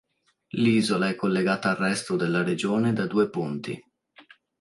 L'isola è collegata al resto della regione da due ponti.